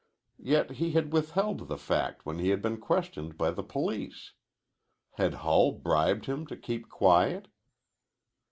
Yet he had withheld the fact when he had been questioned by the police. Had Hull bribed him to keep quiet?